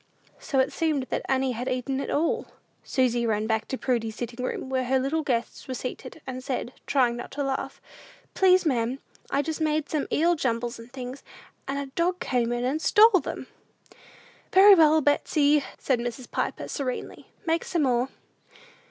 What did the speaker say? So it seemed that Annie had eaten it all. Susy ran back to Prudy's sitting room, where her little guests were seated, and said, trying not to laugh, "Please, ma'am, I just made some eel jumbles and things, and a dog came in and stole them." "Very well, Betsey," said Mrs. Piper, serenely; "make some more."